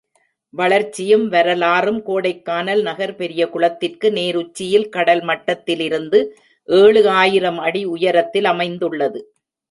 வளர்ச்சியும் வரலாறும் கோடைக்கானல் நகர் பெரியகுளத்திற்கு நேர் உச்சியில் கடல் மட்டத்திலிருந்து ஏழு ஆயிரம் அடி உயரத்திலமைந்துள்ளது.